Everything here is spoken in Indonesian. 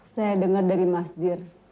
saya dengar dari mas dir